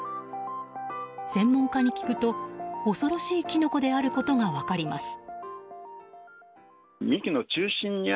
専門家に聞くと恐ろしいキノコであることが分かります。